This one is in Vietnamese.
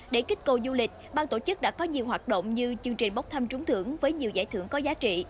để kích cầu du lịch bang tổ chức đã có nhiều hoạt động như chương trình bóc thăm trúng thưởng với nhiều giải thưởng có giá trị